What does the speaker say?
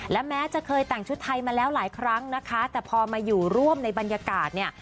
และแม้จะเคยแต่งชุดไทยมาแล้วหลายครั้งนะคะแต่พอมาอยู่ร่วมในบรรยากาศเนี่ย